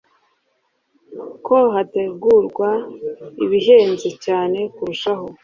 ko hategurwa ibihenze cyane kurushaho